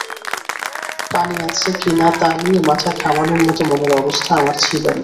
পানি আছে কি না তা নিয়ে মাথা ঘামানোর মতো মনের অবস্থা আমার ছিল না।